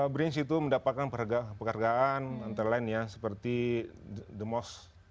brins itu mendapatkan penghargaan antara lainnya seperti the most